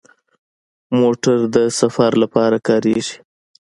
موټر د سفر لپاره کارېږي.